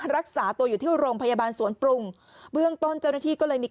รักษาตัวอยู่ที่โรงพยาบาลสวนปรุงเบื้องต้นเจ้าหน้าที่ก็เลยมี